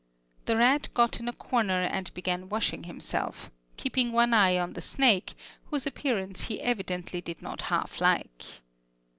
The rat got in a corner and began washing himself, keeping one eye on the snake, whose appearance he evidently did not half like.